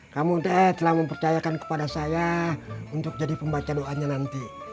kamu telah mempercayakan kepada saya untuk jadi pembaca doanya nanti